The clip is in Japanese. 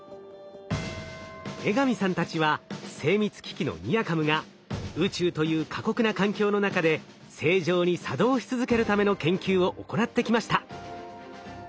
江上さんたちは精密機器のＮＩＲＣａｍが宇宙という過酷な環境の中で正常に作動し続けるための研究を行ってきました。